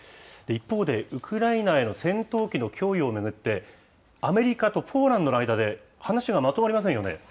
一方で、ウクライナへの戦闘機の供与を巡って、アメリカとポーランドの間で話がまとまりませんよね。